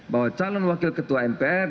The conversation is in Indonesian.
bahwa calon wakil ketua mpr